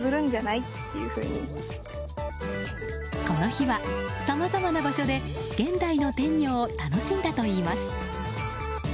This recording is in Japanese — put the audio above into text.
この日はさまざまな場所で現代の天女を楽しんだといいます。